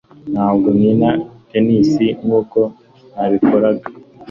Ntabwo nkina tennis nkuko nabikoraga